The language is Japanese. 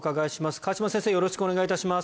よろしくお願いします。